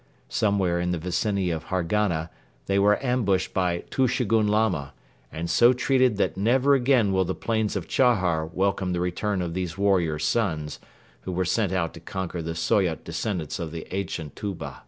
Somewhere in the vicinity of Hargana they were ambushed by Tushegoun Lama and so treated that never again will the plains of Chahar welcome the return of these warrior sons who were sent out to conquer the Soyot descendants of the ancient Tuba.